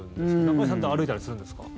中居さんって歩いたりするんですか？